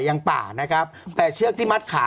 ยังป่านะครับแต่เชือกที่มัดขา